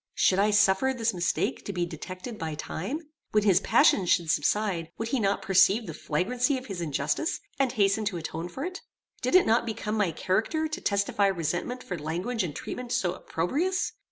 Should I suffer this mistake to be detected by time? When his passion should subside, would he not perceive the flagrancy of his injustice, and hasten to atone for it? Did it not become my character to testify resentment for language and treatment so opprobrious?